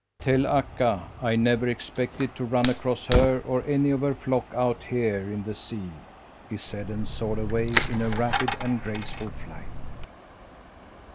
"Tell Akka I never expected to run across her or any of her flock out here in the sea!" he said, and soared away in a rapid and graceful flight.